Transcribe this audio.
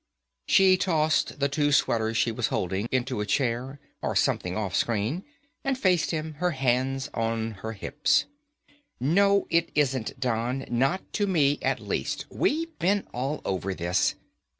She tossed the two sweaters she was holding into a chair, or something, off screen, and faced him, her hands on her hips. "No it isn't, Don. Not to me, at least. We've been all over this.